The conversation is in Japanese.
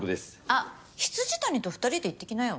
あっ未谷と２人で行ってきなよ。